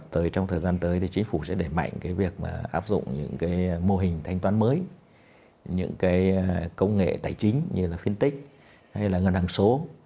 trong thời gian tới thì chính phủ sẽ đẩy mạnh cái việc mà áp dụng những cái mô hình thanh toán mới những cái công nghệ tài chính như là phiên tích hay là ngân hàng số